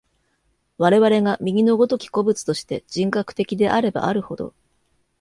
我々が右の如き個物として、人格的であればあるほど、